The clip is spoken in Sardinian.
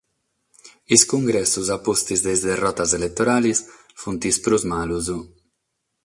Sos cungressos a pustis de sas derrotas eletorales sunt sos prus malos.